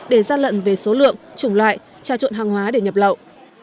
để gian lận về số lượng chủng loại trà trộn hàng hóa để nhập lậu